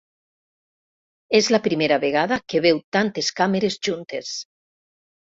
És la primera vegada que veu tantes càmeres juntes.